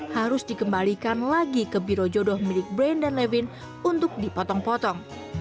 harus dikembalikan lagi ke biro jodoh milik brain dan levin untuk dipotong potong